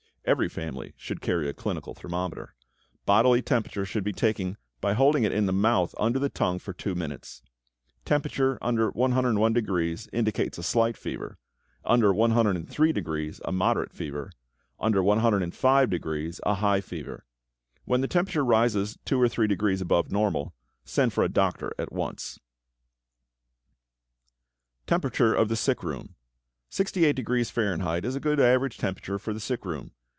Every family should carry a clinical thermometer. Bodily temperature should be taken by holding it in the mouth under the tongue for two minutes. Temperature under 101° indicates a slight fever; under 103° a moderate fever; under 105° a high fever. When the temperature rises two or three degrees above normal, send for a doctor at once. =Temperature of the Sick Room.= Sixty eight degrees Fahrenheit is a good average temperature for the sick room.